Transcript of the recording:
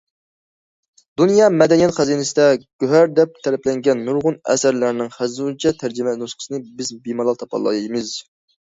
دۇنيا مەدەنىيەت خەزىنىسىدە گۆھەر دەپ تەرىپلەنگەن نۇرغۇن ئەسەرلەرنىڭ خەنزۇچە تەرجىمە نۇسخىسىنى بىز بىمالال تاپالايمىز.